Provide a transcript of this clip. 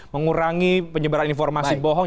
mengurangi penyebaran informasi bohong